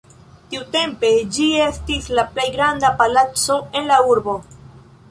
Tiutempe ĝi estis la plej granda palaco en la urbo.